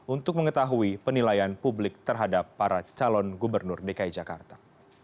untuk mengetahui penilaian publik terhadap para calon gubernur dki jakarta